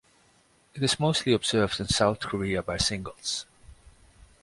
It is mostly observed in South Korea by singles.